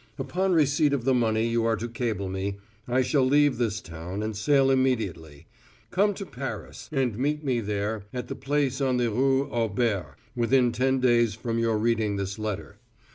Upon receipt of the money you are to cable me, I shall leave this town and sail immediately. Come to Paris, and meet me there at the place on the Rue Auber within ten days from your reading this letter.